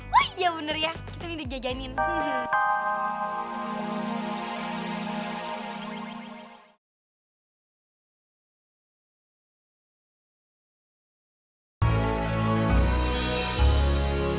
wah iya bener ya kita minta dia jagainin